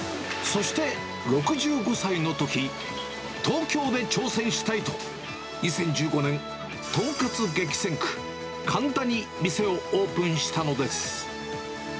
そして６５歳のとき、東京で挑戦したいと、２０１５年、豚カツ激戦区、神田に店をオープンしたのです。